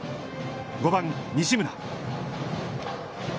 ５番西村。